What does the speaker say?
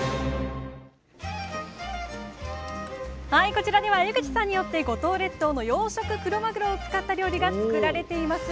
こちらでは江口さんによって五島列島の養殖クロマグロを使った料理が作られています。